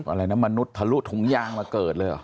อะไรนะมนุษย์ทะลุถุงยางมาเกิดเลยเหรอ